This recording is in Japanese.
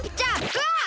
うわっ！